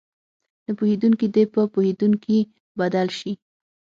نه پوهېدونکي دې په پوهېدونکي بدل شي.